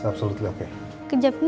bapak terlalu berlebihan